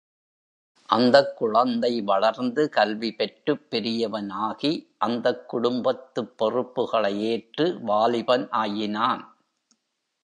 அந்தக் குழந்தை வளர்ந்து கல்வி பெற்றுப் பெரியவன் ஆகி அந்தக் குடும்பத்துப் பொறுப்புகளை ஏற்று வாலிபன் ஆயினான்.